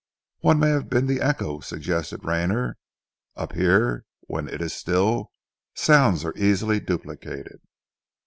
"One may have been the echo," suggested Rayner. "Up here when it is still, sounds are easily duplicated."